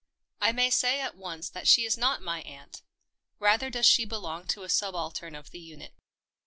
I may say at once that she is not my aunt — rather does she belong to a subaltern of the unit.